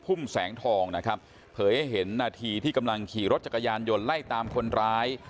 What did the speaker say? ุ่มแสงทองนะครับเผยให้เห็นนาทีที่กำลังขี่รถจักรยานยนต์ไล่ตามคนร้าย